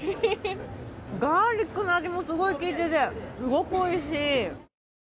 ガーリックの味もすごい利いてて、すごくおいしい。